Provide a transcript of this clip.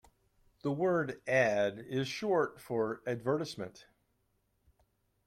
The word ad is short for advertisement